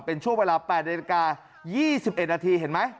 เป็นช่วงเวลา๘นาฬิกา๒๑นาทีเห็นไหม